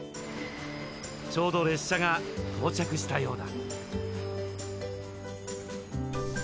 ちょうど列車が到着したようだ